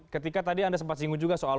ketika tadi anda sempat singgung juga soal